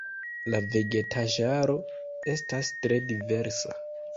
La vegetaĵaro estas tre diversa.